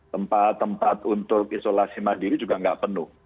tempat tempat untuk isolasi mandiri juga nggak penuh